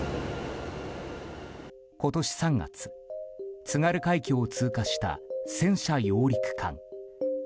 今年３月、津軽海峡を通過した戦車揚陸艦。